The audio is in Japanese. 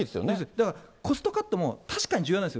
だから、コストカットも確かに重要なんです。